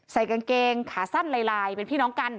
ใส่กางเกงขาสั้นลายเป็นพี่น้องกัน